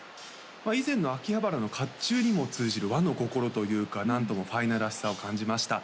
以前の秋葉原の甲冑にも通じる和の心というかなんともｆｉｎａｌらしさを感じました